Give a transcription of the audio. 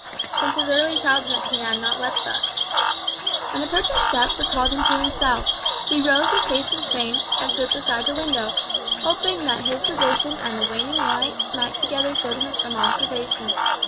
Since his early childhood he had not wept thus. An approaching footstep recalled him to himself. He rose with haste and shame, and stood beside the window, hoping that his position and the waning light might together shield him from observation.